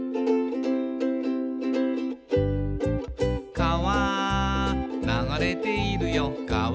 「かわ流れているよかわ」